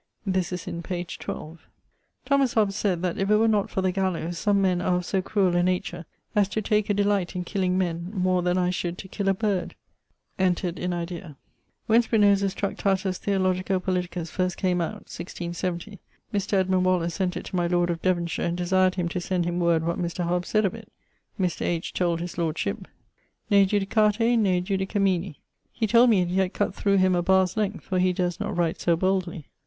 This is in p. 12. Thomas Hobbs that if it were not for the gallowes, some men are of so cruell a nature as to take a delight in killing men[FW] more than I should to kill a bird. Entred in idea. When Spinoza's Tractatus Theologico Politicus first came out <1670>, Mr. Edmund Waller sent it to my lord of Devonshire and desired him to send him word what Mr. Hobbes said of it. Mr. H. told his lordship: Ne judicate ne judicemini. He told me he had cut thorough him a barre's length, for he durst not write so boldly.